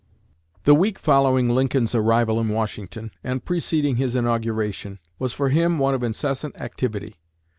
The week following Lincoln's arrival in Washington, and preceding his inauguration, was for him one of incessant activity.